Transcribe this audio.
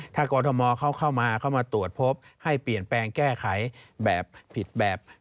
ถ้ากรทมเขาเข้ามาเข้ามาตรวจพบให้เปลี่ยนแปลงแก้ไขแบบผิดแบบ